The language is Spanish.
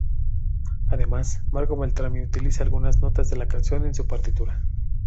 Además, Marco Beltrami utiliza algunas notas de la canción en su partitura.